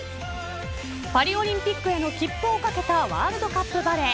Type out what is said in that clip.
パリオリンピックへの切符を懸けたワールドカップバレー。